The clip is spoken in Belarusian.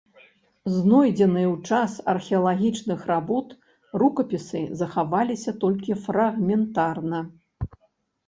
Знойдзеныя ў час археалагічных работ рукапісы захаваліся толькі фрагментарна.